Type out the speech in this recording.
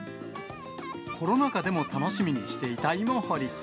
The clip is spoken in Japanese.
コロナ禍でも楽しみにしていた芋掘り。